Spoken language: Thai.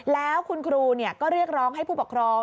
แล้วคุณครูก็เรียกร้องให้ผู้ปกครอง